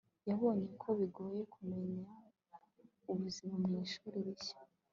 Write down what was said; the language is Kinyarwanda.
yabonye ko bigoye kumenyera ubuzima mu ishuri rishya